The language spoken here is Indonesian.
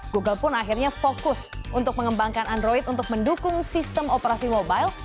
google pun akhirnya fokus untuk mengembangkan android untuk mendukung sistem operasi mobile